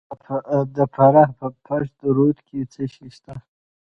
د فراه په پشت رود کې څه شی شته؟